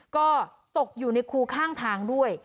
ก็ตกอยู่ในคูข้างทางด้วย